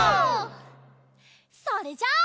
それじゃあ。